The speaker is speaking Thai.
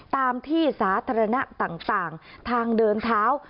ตามที่สาธารณะต่างทางเดินเท้า